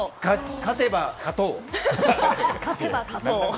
勝てば勝とう。